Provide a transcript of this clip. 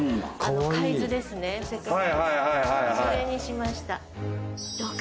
それにしました。